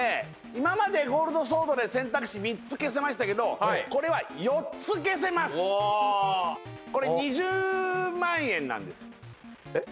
今までゴールドソードで選択肢３つ消せましたけどこれは４つ消せますおっこれ２０万円なんですえっ？